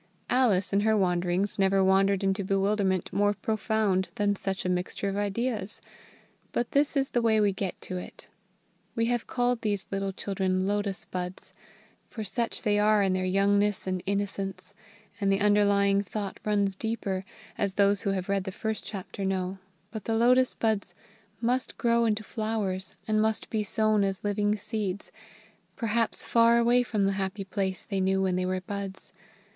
Alice in her wanderings never wandered into bewilderment more profound than such a mixture of ideas. But this is the way we get to it: We have called these little children Lotus buds for such they are in their youngness and innocence; and the underlying thought runs deeper, as those who have read the first chapter know but the Lotus buds must grow into flowers and must be sown as living seeds, perhaps far away from the happy place they knew when they were buds.